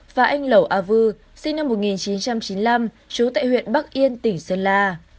và anh lẩu a vư sinh năm một nghìn chín trăm chín mươi năm trú tại huyện bắc yên tỉnh sơn la